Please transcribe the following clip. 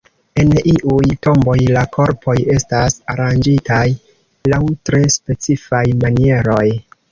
En iuj tomboj la korpoj estas aranĝitaj laŭ tre specifaj manieroj.